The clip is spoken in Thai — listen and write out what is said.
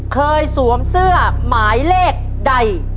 สวมเสื้อหมายเลขใด